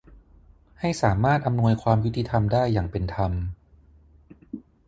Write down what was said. ให้สามารถอำนวยความยุติธรรมได้อย่างเป็นธรรม